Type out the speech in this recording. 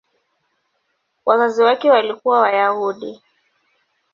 Wazazi wake walikuwa Wayahudi.